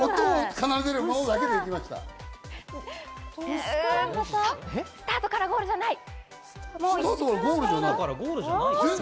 ホシからハタ？スタートからゴールじゃない。